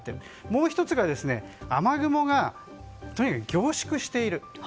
もう１つが雨雲がとにかく凝縮している。